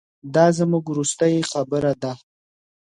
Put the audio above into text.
دا زموږ وروستۍ خبره ده.